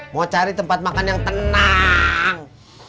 mau cari tempat makan yang tenang